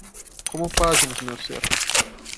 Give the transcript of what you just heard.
Como páginas, meu ser.